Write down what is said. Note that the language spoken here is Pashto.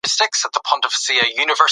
ځینې څېړنې دا اغېز تاییدوي.